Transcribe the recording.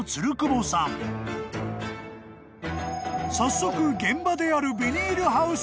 ［早速現場である］